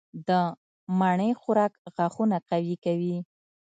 د مڼې خوراک غاښونه قوي کوي.